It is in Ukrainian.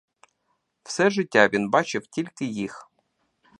Все життя він бачив тільки їх.